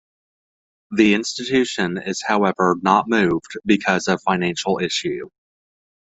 The institution is however not moved because of financial issue.